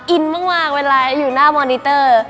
อินมากเวลาอยู่หน้ามอนิเตอร์